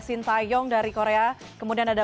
shin taeyong dari korea kemudian ada